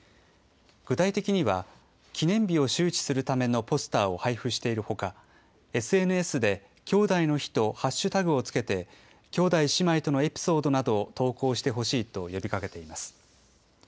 具体的には、記念日を周知するためのポスターを配付しているほか、ＳＮＳできょうだいの日とハッシュタグをつけて、兄弟姉妹とのエピソードを投稿してほしいと呼びかけています。